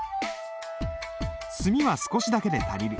墨は少しだけで足りる。